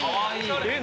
えっ？